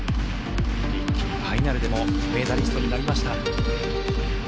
一気にファイナルでもメダリストになりました。